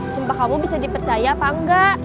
sumpah kamu bisa dipercaya apa enggak